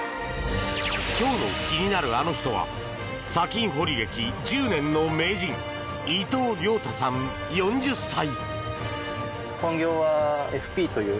今日の気になるアノ人は砂金掘り歴１０年の名人伊藤亮太さん、４０歳。